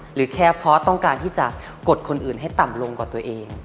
หรือแค่เพราะต้องการที่จะกดคนอื่นให้ต่ำลงกว่าตัวเอง